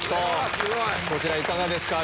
こちらいかがですか？